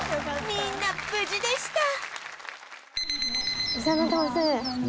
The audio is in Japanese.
みんな無事でした